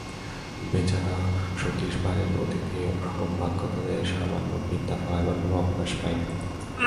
বেচারা সতীশ বাড়ির অতিথি-অভ্যাগতদের সামনে বিদ্যা ফলাইবার কোনো অবকাশ পায় না।